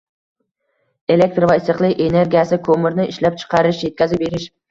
elektr va issiqlik energiyasi, ko‘mirni ishlab chiqarish, yetkazib berish